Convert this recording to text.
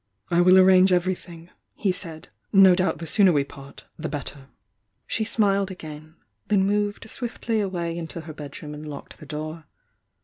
"I will arrange everythmg," he said. "No doubt the sooner we part, the better!" She smiled again, — then moved swiftly away into her bedroom and locked the door.